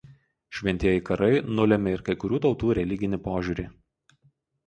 Šventieji karai nulėmė ir kai kurių tautų religinį požiūrį.